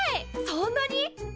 そんなに！？